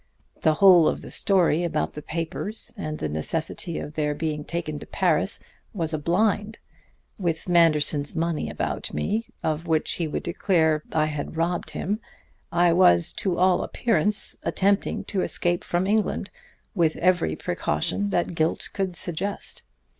The whole of the story about the papers and the necessity of their being taken to Paris was a blind. With Manderson's money about me, of which he would declare I had robbed him, I was to all appearance attempting to escape from England, with every precaution that guilt could suggest.